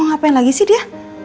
mau ngapain lagi sih dia